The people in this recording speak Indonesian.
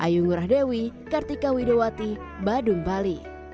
yang tepat sasaran